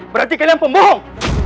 berarti kalian pembohong